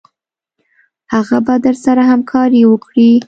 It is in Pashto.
هغه به درسره همکاري وکړي.